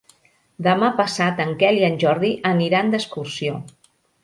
Demà passat en Quel i en Jordi aniran d'excursió.